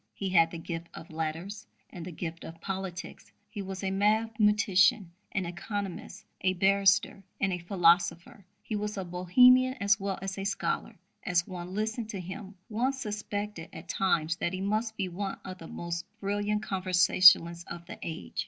He had the gift of letters and the gift of politics; he was a mathematician, an economist, a barrister, and a philosopher; he was a Bohemian as well as a scholar; as one listened to him, one suspected at times that he must be one of the most brilliant conversationalists of the age.